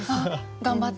頑張って？